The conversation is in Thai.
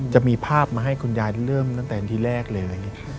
จะมีภาพมาให้คุณยายเริ่มตั้งแต่ที่แรกเลย